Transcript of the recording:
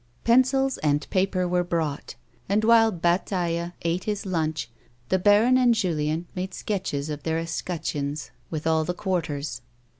Pencils and paper were brought, and, while Bataille ate his lunch, the baron and Julien made sketches of their escutcheons with all the quarters.